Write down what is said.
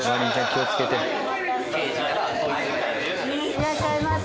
いらっしゃいませ。